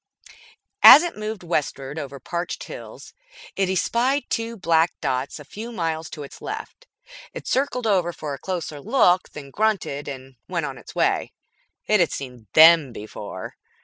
As it moved westward over parched hills, it espied two black dots a few miles to its left. It circled over for a closer look, then grunted and went on its way. It had seen them before.